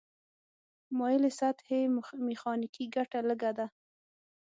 مایلې سطحې میخانیکي ګټه لږه ده.